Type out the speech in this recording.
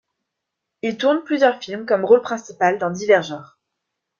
Il tourne plusieurs films comme rôle principal, dans divers genres.